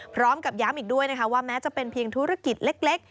พร้อมกับย้ำอีกด้วยนะคะว่าแม้จะเป็นเพียงธุรกิจเล็ก